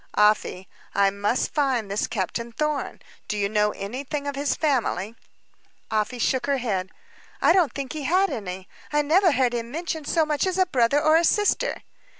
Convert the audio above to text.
"Afy, I must find this Captain Thorn. Do you know anything of his family?" Afy shook her head. "I don't think he had any. I never heard him mention as much as a brother or a sister."